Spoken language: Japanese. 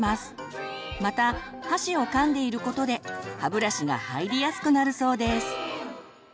また箸をかんでいることで歯ブラシが入りやすくなるそうです。